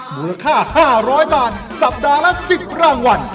มูลค่า๕๐๐บาทสัปดาห์ละ๑๐รางวัล